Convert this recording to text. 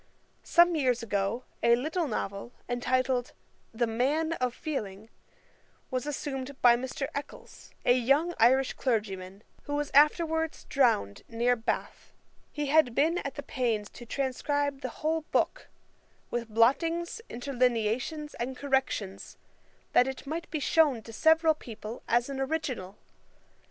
Some years ago a little novel, entitled The Man of Feeling, was assumed by Mr. Eccles, a young Irish clergyman, who was afterwards drowned near Bath. He had been at the pains to transcribe the whole book, with blottings, interlineations, and corrections, that it might be shewn to several people as an original.